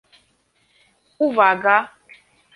Uwaga